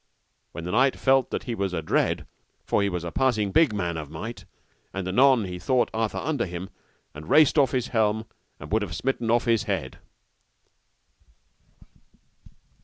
When the knight felt that he was adread, for he was a passing big man of might, and anon he brought Arthur under him, and raced off his helm and would have smitten off his head.